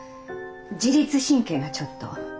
自律神経がちょっと。